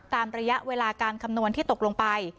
ระยะเวลาการคำนวณที่ตกลงไป